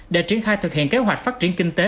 để triển khai thực hiện kế hoạch phát triển kinh tế